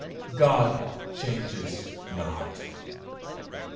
God changes not.